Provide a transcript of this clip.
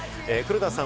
黒田さん